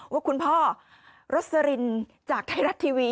ว่าคุณพ่อรสลินจากไทยรัฐทีวี